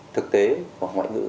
thực tế hoặc ngoại ngữ